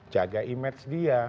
jaga image dia